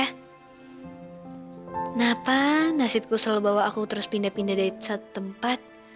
kenapa nasibku selalu bawa aku terus pindah pindah dari setempat